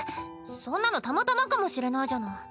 そんなのたまたまかもしれないじゃない。